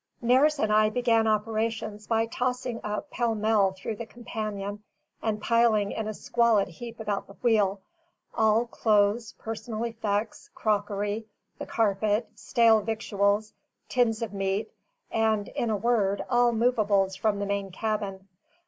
Nares and I began operations by tossing up pell mell through the companion, and piling in a squalid heap about the wheel, all clothes, personal effects, the crockery, the carpet, stale victuals, tins of meat, and in a word, all movables from the main cabin.